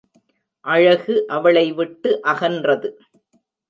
அழகு அவளை விட்டு அகன்றது.